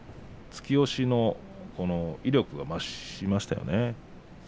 突き押しの威力が増しましたよね。